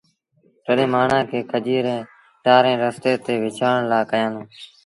تڏهيݩٚ مآڻهآنٚ کجيٚ رينٚ ٽآرينٚ رستي تي وڇآڻ لآ کيآندوݩ